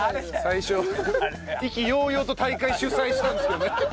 最初意気揚々と大会主催したんですけどね。